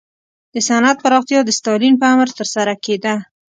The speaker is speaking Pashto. د صنعت پراختیا د ستالین په امر ترسره کېده